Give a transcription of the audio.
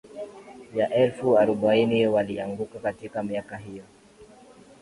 ya elfu arobaini walianguka katika miaka hiyo